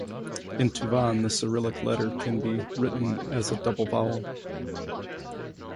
In Tuvan the Cyrillic letter can be written as a double vowel.